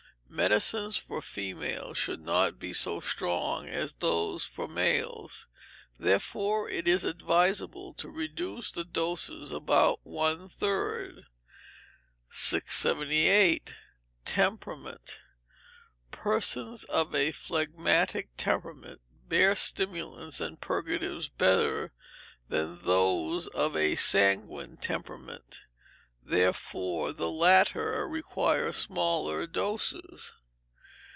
Medicines for females should not be so strong as those for males, therefore it is advisable to reduce the doses about one third. 678. Temperament. Persons of a phlegmatic temperament bear stimulants and purgatives better than those of a sanguine temperament, therefore the latter require smaller doses.